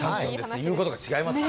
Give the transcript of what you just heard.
言うことが違いますね。